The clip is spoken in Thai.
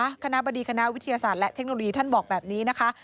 คณะบดีคณะวิทยาศาสตร์และเทคโนโลยีท่านบอกแบบนี้นะคะ